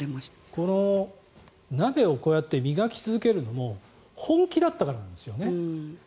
この鍋を磨き続けるのも本気だったからなんですよね。